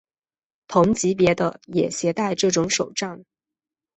同级别的也携带这种手杖。